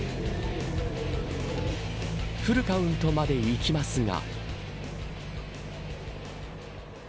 フルカウントまでいきますが。